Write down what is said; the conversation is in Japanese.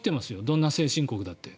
どんな先進国だって。